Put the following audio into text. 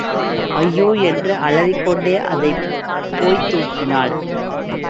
ஐயோ என்று அலறிக்கொண்டே அதைப் போய்த் தூக்கினாள்.